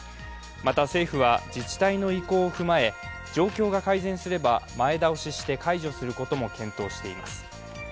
また、政府は自治体の意向を踏まえ状況が改善すれば前倒しして解除することも検討しています。